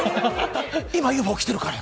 今ＵＦＯ来てるから！